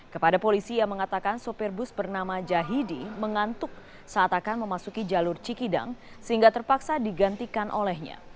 kepada polisi yang mengatakan sopir bus bernama jahidi mengantuk saat akan memasuki jalur cikidang sehingga terpaksa digantikan olehnya